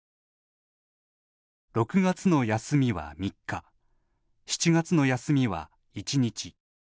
６月の休みは３日７月の休みは１日。